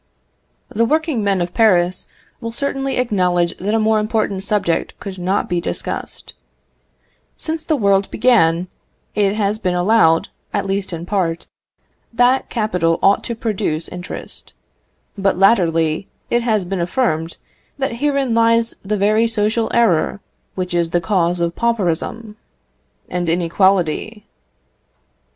The working men of Paris will certainly acknowledge that a more important subject could not be discussed. Since the world began, it has been allowed, at least in part, that capital ought to produce interest. But latterly it has been affirmed, that herein lies the very social error which is the cause of pauperism and inequality.